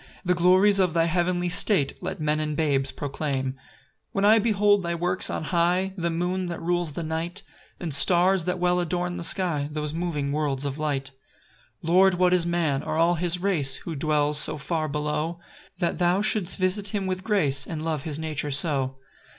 The glories of thy heavenly state Let men and babes proclaim. 2 When I behold thy works on high, The moon that rules the night, And stars that well adorn the sky, Those moving worlds of light; 3 Lord, what is man, or all his race, Who dwells so far below, That thou shouldst visit him with grace, And love his nature so?